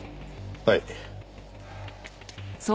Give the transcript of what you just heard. はい。